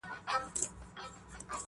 ما د مرگ ورځ به هم هغه ورځ وي.